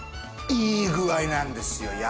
いい具合なんですよ。